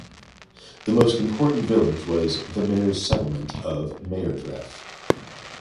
The most important village was the 'mayor's settlement' or "maerdref".